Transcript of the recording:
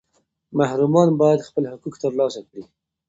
محرومان باید خپل حقوق ترلاسه کړي.